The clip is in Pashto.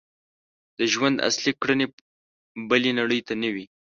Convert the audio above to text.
د ژوند اصلي کړنې بلې نړۍ ته نه وي.